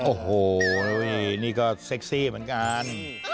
โอ้โหนี่ก็เซ็กซี่เหมือนกัน